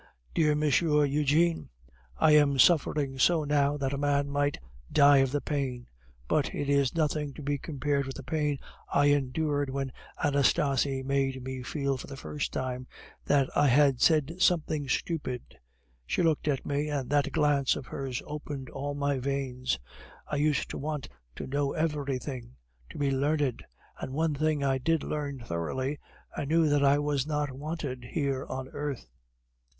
Dear Monsieur Eugene, I am suffering so now, that a man might die of the pain; but it is nothing to be compared with the pain I endured when Anastasie made me feel, for the first time, that I had said something stupid. She looked at me, and that glance of hers opened all my veins. I used to want to know everything, to be learned; and one thing I did learn thoroughly I knew that I was not wanted here on earth.